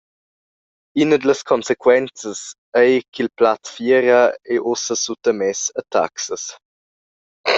Ina dallas consequenzas ei ch’il plaz-fiera ei ussa suttamess a taxas.